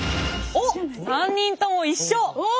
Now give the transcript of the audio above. おっ３人とも一緒。